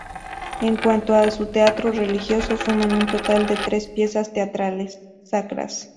En cuanto a su teatro religioso, suman un total de tres piezas teatrales sacras.